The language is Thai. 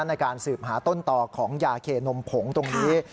ในการสืบหาต้นต่อของยาเคนมผงตรงนี้